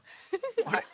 あれ？